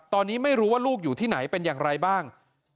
ตอนนี้ไม่รู้ว่าลูกอยู่ที่ไหนเป็นอย่างไรบ้าง